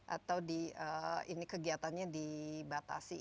atau ini kegiatannya dibatasi